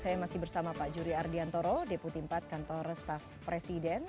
saya masih bersama pak jury ardian toro deputi empat kantor staff presiden